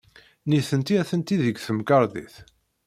Nitenti atenti deg temkarḍit.